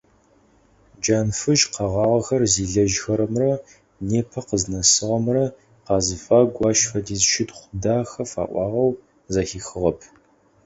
Джанфыжь къэгъагъэхэр зилэжьхэрэмрэ непэ къызнэсыгъэмрэ къазыфагу ащ фэдиз щытхъу дахэ фаӏуагъэу зэхихыгъэп.